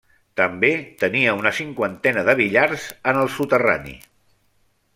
També tenia una cinquantena de billars en el soterrani.